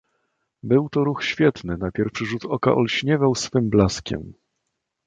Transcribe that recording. "Był to ruch świetny, na pierwszy rzut oka olśniewał swym blaskiem."